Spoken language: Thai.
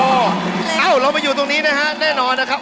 เอ้าเรามาอยู่ตรงนี้นะฮะแน่นอนนะครับ